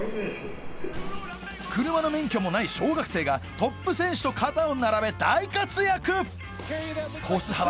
車の免許もない小学生がトップ選手と肩を並べ大活躍！